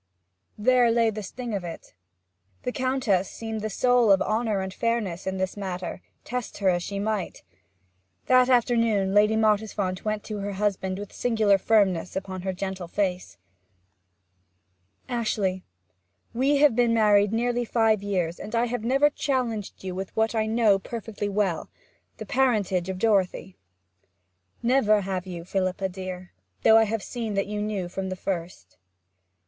There lay the sting of it: the Countess seemed the soul of honour and fairness in this matter, test her as she might. That afternoon Lady Mottisfont went to her husband with singular firmness upon her gentle face. 'Ashley, we have been married nearly five years, and I have never challenged you with what I know perfectly well the parentage of Dorothy.' 'Never have you, Philippa dear. Though I have seen that you knew from the first.'